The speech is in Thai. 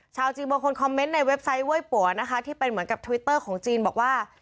ชาวจีนบางคนคอมเมนต์ในเว็บไซต์เว้ยปัวนะคะที่เป็นเหมือนกับทวิตเตอร์ของจีนบอกว่า